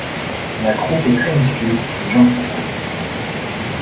La croupe est très musclée, les jambes sont courtes.